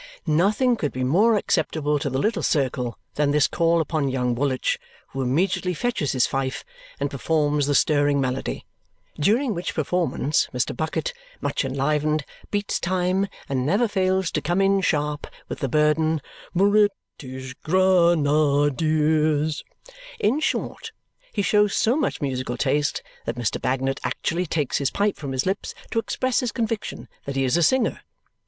Nothing could be more acceptable to the little circle than this call upon young Woolwich, who immediately fetches his fife and performs the stirring melody, during which performance Mr. Bucket, much enlivened, beats time and never fails to come in sharp with the burden, "British Gra a anadeers!" In short, he shows so much musical taste that Mr. Bagnet actually takes his pipe from his lips to express his conviction that he is a singer.